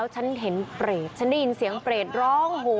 สวัสดีครับ